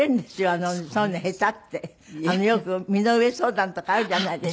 よく身の上相談とかあるじゃないですか。